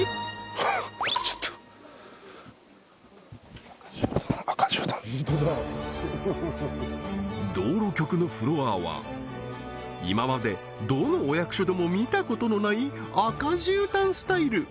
はっちょっと道路局のフロアは今までどのお役所でも見たことのない赤じゅうたんスタイル